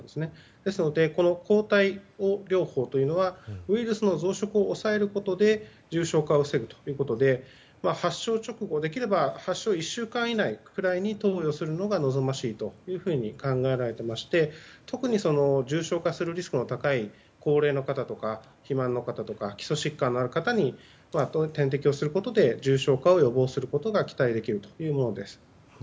ですので、抗体療法というのはウイルスの増殖を抑えることで重症化を防ぐということで発症直後できれば発症１週間以内に投与するのが望ましいというふうに考えられていまして特に重症化するリスクの高い高齢の方とか肥満の方とか基礎疾患のある方に点滴をすることで重症化を予防することが期待できるというものです。